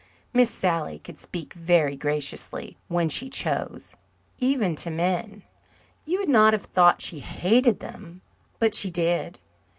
Miss Sally could speak very graciously when she chose, even to men. You would not have thought she hated them, but she did.